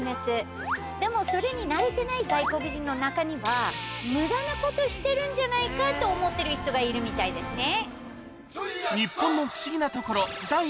でもそれに慣れてない外国人の中には無駄なことしてるんじゃないかと思ってる人がいるみたいですね。